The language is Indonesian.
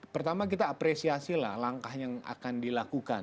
pertama kita apresiasi lah langkah yang akan dilakukan